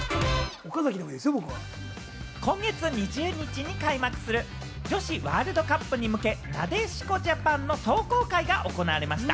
今月２０日に開幕する女子ワールドカップに向け、なでしこジャパンの壮行会が行われました。